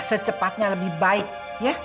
secepatnya lebih baik ya